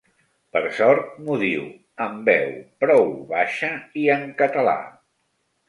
Per sort, m'ho diu en veu prou baixa i en català.